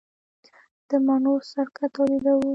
د مڼو سرکه تولیدوو؟